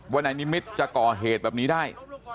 นายนิมิตรจะก่อเหตุแบบนี้ได้